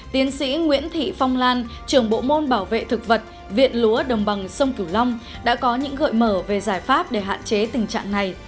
tiến sĩ nguyễn thị phong lan trưởng bộ môn bảo vệ thực vật viện lúa đồng bằng sông cửu long đã có những gợi mở về giải pháp để hạn chế tình trạng này